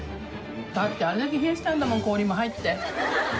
だってあれだけ冷やしたんだもん氷も入って。